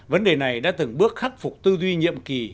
vấn đề này đã từng bước khắc phục tư duy nhiệm kỳ